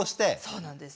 そうなんです。